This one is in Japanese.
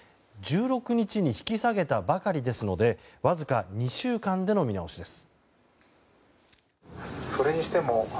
１６日に引き下げたばかりですのでわずか２週間での見直しです。